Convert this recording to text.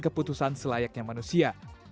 keputusan selayaknya manusia